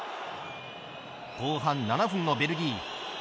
後半７分のベルギー。